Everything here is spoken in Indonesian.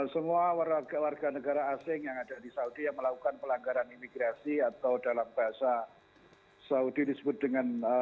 semua warga warga negara asing yang ada di saudi yang melakukan pelanggaran imigrasi atau dalam bahasa saudi disebut dengan